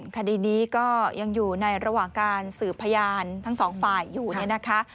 คดีนี้ก็ยังอยู่ในระหว่างการสืบพยานทั้งสองฝ่ายอยู่เนี่ยนะคะ